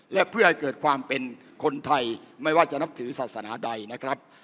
และเพื่อให้เกิดความเป็นคนไทยไม่ว่าจะนับถือศาสนาใดนะครับ